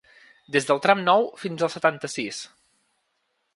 Des del tram nou fins al setanta-sis.